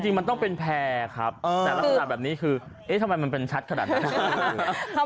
จริงมันต้องเป็นแพร่ครับแต่ลักษณะแบบนี้คือเอ๊ะทำไมมันเป็นชัดขนาดนั้น